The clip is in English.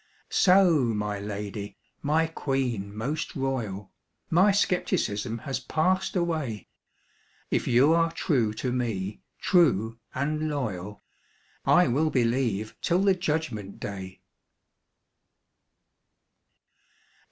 So my lady, my queen most royal, My skepticism has passed away; If you are true to me, true and loyal, I will believe till the Judgment day.